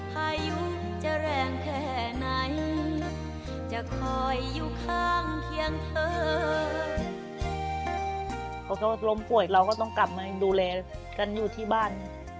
พอเขาล้มป่วยเราก็ต้องกลับมาดูแลกันอยู่ที่บ้าน